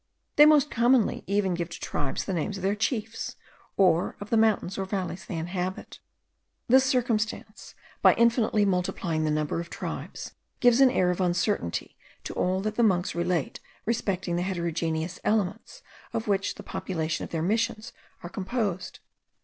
They most commonly even give to tribes the names of their chiefs, or of the mountains or valleys they inhabit. This circumstance, by infinitely multiplying the number of tribes, gives an air of uncertainty to all that the monks relate respecting the heterogeneous elements of which the population of their Missions are composed.